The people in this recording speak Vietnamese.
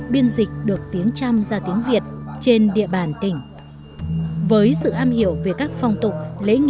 biên dịch được tiếng trăm ra tiếng việt trên địa bàn tỉnh với sự am hiểu về các phong tục lễ nghi